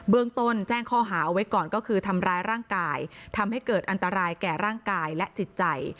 เรื่องต้นแจ้งข้อหาเอาไว้ก่อนก็คือทำร้ายร่างกายทำให้เกิดอันตรายแก่ร่างกายและจิตใจ